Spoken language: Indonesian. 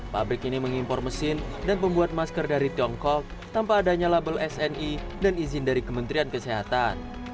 pabrik ini mengimpor mesin dan pembuat masker dari tiongkok tanpa adanya label sni dan izin dari kementerian kesehatan